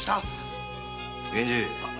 源次。